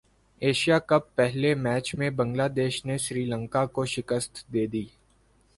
Asia cup پہلے match میں Bangladesh نے سری لنکا کو شکست دیدی